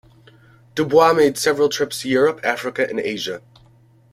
Du Bois made several trips to Europe, Africa and Asia.